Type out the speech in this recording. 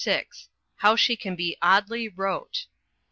How she can be Oddly Wrote.